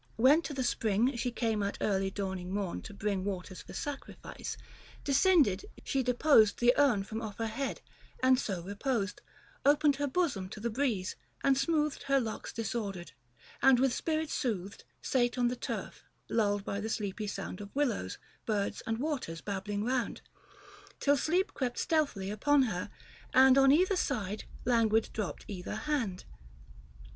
When to the spring She came at early dawning morn to bring Waters for sacrifice, descended, she deposed, 15 The urn from off her head, and so reposed, Opened her bosom to the breeze, and smoothed Her locks disordered ; and with spirit soothed Sate on the turf, lulled by the sleepy sound Of willows, birds, and waters babbling round, 20 Till sleep crept stealthily upon her, and On either side languid dropt either hand.